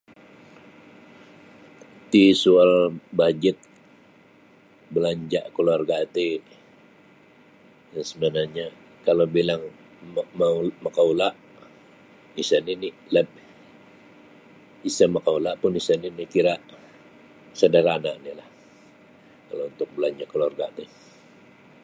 Iti soal bajet belanja keluarga ti sebenarnyo kalau bilang mau makaula sa nini kalau isa makaula sa nini kira sederhana onilah kalau untuk belanja keluarga ti.